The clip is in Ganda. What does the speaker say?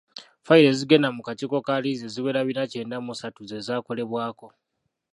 Fayiro ezigenda mu kakiiko ka liizi eziwera bina kyenda mu ssatu ze zaakolebwako.